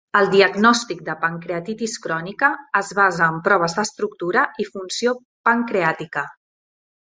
El diagnòstic de pancreatitis crònica es basa en proves d'estructura i funció pancreàtica.